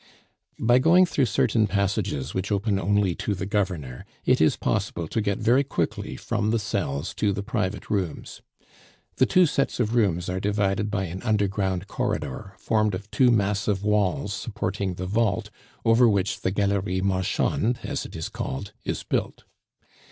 By going through certain passages which open only to the governor, it is possible to get very quickly from the cells to the private rooms. The two sets of rooms are divided by an underground corridor formed of two massive walls supporting the vault over which Galerie Marchande, as it is called, is built.